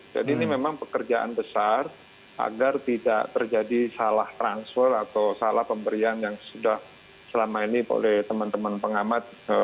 jadi ini memang pekerjaan besar agar tidak terjadi salah transfer atau salah pemberian yang sudah selama ini oleh teman teman pengamat